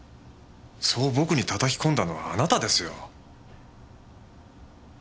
そう僕にたたき込んだのはあなたですよ。